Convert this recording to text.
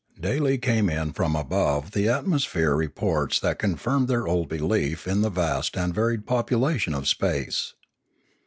Daily came in from above the atmosphere reports that confirmed their old belief in the vast and varied population of space.